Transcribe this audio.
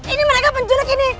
ini mereka penculik ini